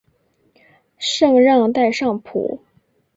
圣让代尚普。